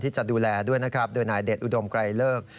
จะดูแลด้วยนะครับโดยนายเดชอุดมไกรเลิก